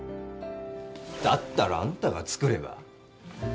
だったらあんたが作れば？